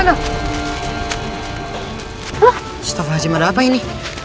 astaghfirullahaladzim ada apa ini